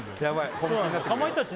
やばい